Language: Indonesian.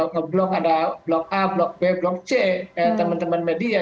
ngeblok ada blok a blok b blok c teman teman media